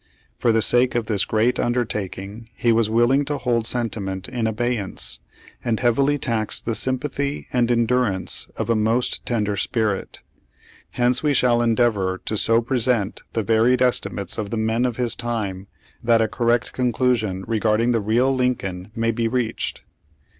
For the sake of this great undertaking he was willing to hold sentiment in abeyance, and heavily tax the sympathy and en durance of a most tender spirit. Hence we shall endeavor to so present the varied estimates of the men of his time, that a correct conclusion regard ing the real Lincoln may be reached.